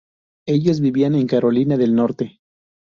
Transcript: Ellos vivían en Carolina del Norte.